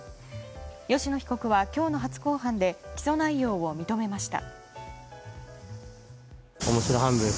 吉野被告は今日の初公判で起訴内容を認めました。